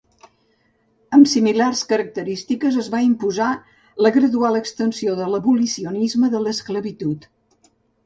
Amb similars característiques es va imposar la gradual extensió de l'abolicionisme de l'esclavitud.